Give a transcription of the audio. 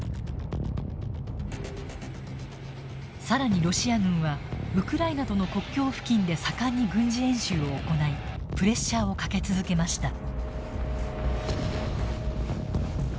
更にロシア軍はウクライナとの国境付近で盛んに軍事演習を行いプレッシャーをかけ続けました。